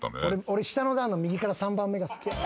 俺下の段の右から３番目が好きや。